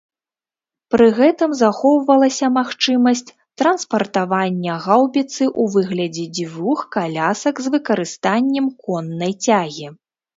Пры гэтым захоўвалася магчымасць транспартавання гаўбіцы ў выглядзе дзвюх калясак з выкарыстаннем коннай цягі.